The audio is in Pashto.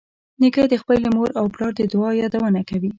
نیکه د خپلې مور او پلار د دعا یادونه کوي.